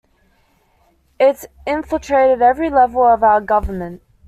It's infiltrated every level of our government.